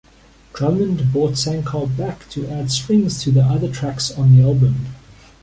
Drummond brought Shankar back to add strings to the other tracks on the album.